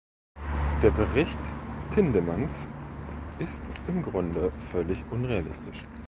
Der Bericht Tindemans ist im Grunde völlig unrealistisch.